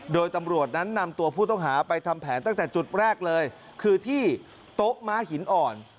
โดยตำรวจนั้นนำตัวผู้ต้องหาไปทำแผนตั้งแต่จุดแรกเลยคือที่โต๊ะม้าหินอ่อน